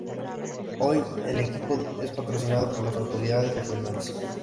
Hoy, el equipo es patrocinado por las autoridades regionales.